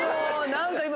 何か今。